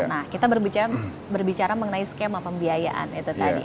nah kita berbicara mengenai skema pembiayaan itu tadi